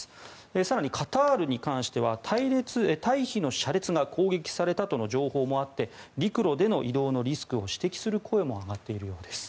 更に、カタールに関しては退避の車列が攻撃されたとの情報もあって陸路での移動のリスクを指摘する声も上がっているようです。